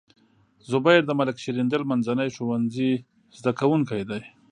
زبير د ملک شیریندل منځني ښوونځي زده کوونکی دی.